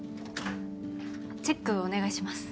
チェックお願いします。